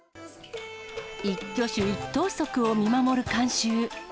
一挙手一投足を見守る観衆。